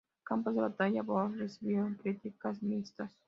Los campos de batalla Worms recibieron críticas mixtas.